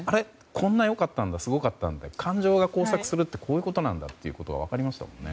こんな良かったんだすごかったんだ感情が交錯するってこういうことなんだっていうのが伝わってきましたね。